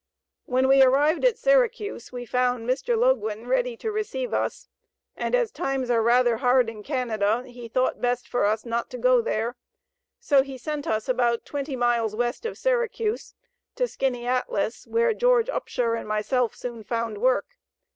When we arrived at Syracuse we found Mr. Loguen ready to receive us, and as times are rather hard in Canada he thought best for us not to go there, so he sent us about twenty miles west of Syracuse to Skaneateles, where George Upshur and myself soon found work.